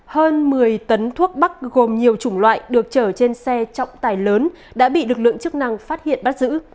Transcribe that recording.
hơn một mươi tấn thuốc bắc gồm nhiều chủng loại được chở trên xe trọng tải lớn đã bị lực lượng chức năng phát hiện bắt giữ